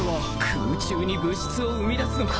空中に物質を生み出すのか。